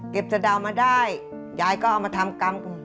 เก็บสะดาวมาได้ยายก็เอามาทำกำ